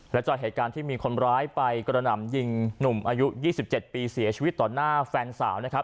และจากเหตุการณ์ที่มีคนร้ายไปกระหน่ำยิงหนุ่มอายุ๒๗ปีเสียชีวิตต่อหน้าแฟนสาวนะครับ